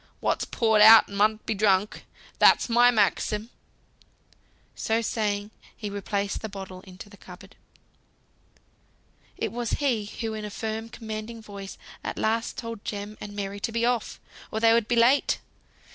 What's poured out mun be drunk. That's my maxim." So saying, he replaced the bottle in the cupboard. It was he who in a firm commanding voice at last told Jem and Mary to be off, or they would be too late.